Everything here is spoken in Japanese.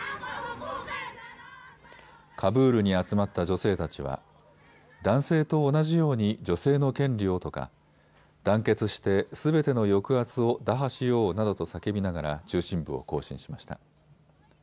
カブールに集まった女性たちは男性と同じように女性の権利をとか団結してすべての抑圧を打破しようなどと叫びながら中心部を行進しました。